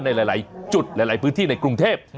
ในหลายจุดหลายพื้นที่ในกรุงเทพ